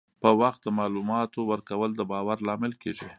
په وخت د معلوماتو ورکول د باور لامل کېږي.